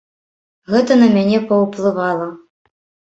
Гэта на мяне паўплывала.